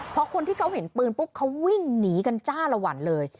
พอคนที่เขาเห็นปืนปุ๊บเขาวิ่งหนีกันจ้าละวันเลย